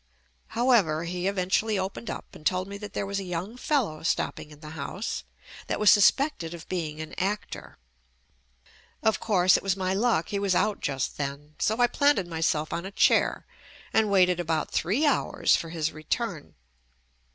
However, he eventually opened up and told me that there was a young fellow stopping in the house, that was suspect ed of being an actor. Of course, it was my luck, he was out just then, so I planted myself on a chair and waited about three hours for his return.